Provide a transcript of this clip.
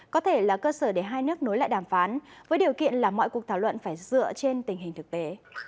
có thể là cơ sở để hai nước nối lại đàm phán với điều kiện là mọi cuộc thảo luận phải dựa trên tình hình thực tế